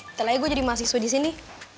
ntar lagi gue jadi mahasiswa di sini